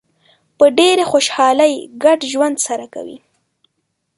په ډېرې خوشحالۍ ګډ ژوند سره کوي.